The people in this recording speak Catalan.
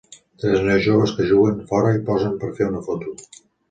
Tres nois joves que juguen fora i posen per fer una foto.